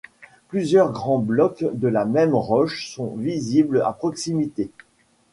Plusieurs grands blocs de la même roche sont visibles à proximité.